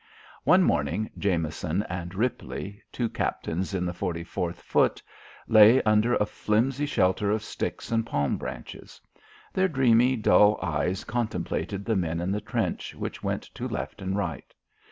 One morning Jameson and Ripley, two Captains in the Forty fourth Foot, lay under a flimsy shelter of sticks and palm branches. Their dreamy, dull eyes contemplated the men in the trench which went to left and right.